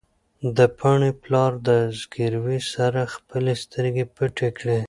د پاڼې پلار د زګېروي سره خپلې سترګې پټې کړې.